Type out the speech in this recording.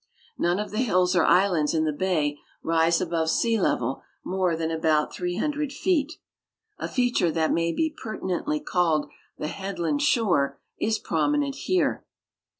None of the hills or islands in the bay rise above sea level more than about 300 feet. A feature that may be pertinently called the headland shore is prominent here.